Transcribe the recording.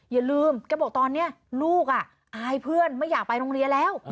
อย่าลืมแกบอกตอนนี้ลูกอายเพื่อนไม่อยากไปโรงเรียนแล้ว